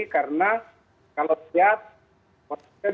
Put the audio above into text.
karena kalau lihat persepsi indeks kita itu kan cuma uang